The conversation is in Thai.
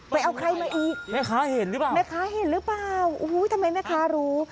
เอาใครมาอีกแม่ค้าเห็นหรือเปล่าแม่ค้าเห็นหรือเปล่าโอ้โหทำไมแม่ค้ารู้